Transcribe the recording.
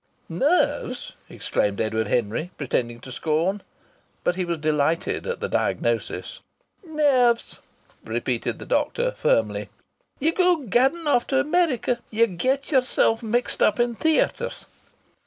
"Nerves!" exclaimed Edward Henry, pretending to scorn. But he was delighted at the diagnosis. "Nerves," repeated the doctor, firmly. "Ye go gadding off to America. Ye get yeself mixed up in theatres....